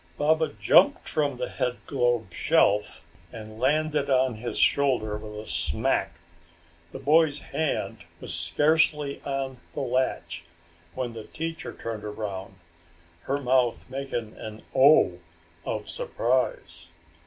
Baba jumped from the headglobe shelf and landed on his shoulder with a smack. The boy's hand was scarcely on the latch when the teacher turned around, her mouth making an O of surprise.